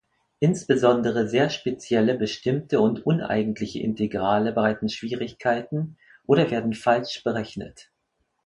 Insbesondere sehr spezielle bestimmte und uneigentliche Integrale bereiten Schwierigkeiten oder werden falsch berechnet.